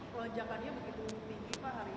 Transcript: lonjakannya begitu tinggi pak hari ini